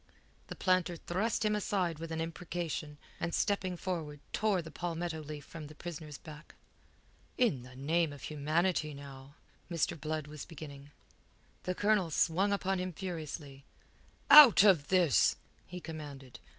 The planter thrust him aside with an imprecation, and stepping forward tore the palmetto leaf from the prisoner's back. "In the name of humanity, now...." Mr. Blood was beginning. The Colonel swung upon him furiously. "Out of this!" he commanded.